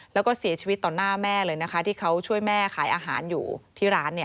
แล้วก็เสียชีวิตต่อหน้าแม่เลยนะคะที่เขาช่วยแม่ขายอาหารอยู่ที่ร้าน